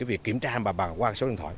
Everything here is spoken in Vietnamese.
việc kiểm tra qua số điện thoại